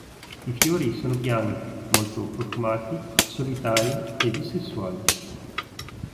I fiori sono bianchi, molto profumati, solitari e bisessuali.